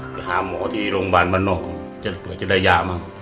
ไปหาหมอที่โรงพยาบาลบ้านนอกก็จะได้ยามาก